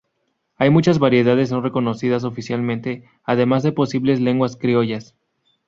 Hay muchas variedades no reconocidas oficialmente, además de posibles lenguas criollas.